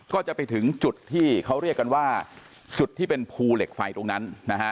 ก็จะไปถึงจุดที่เขาเรียกกันว่าจุดที่เป็นภูเหล็กไฟตรงนั้นนะฮะ